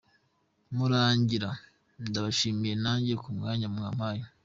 Murangira : Ndabashimiye nanjye ku mwanya mwampaye.